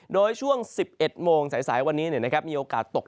โดยช่วงสิบเอ็ดโมงสายสายวันนี้นะครับมีโอกาสตก